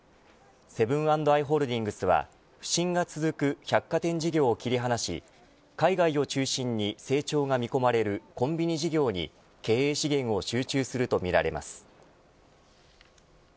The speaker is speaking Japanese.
セブン＆アイ・ホールディングスは不振が続く百貨店事業を切り離し海外を中心に成長が見込まれるコンビニ事業に経営資源を集中するとみられます。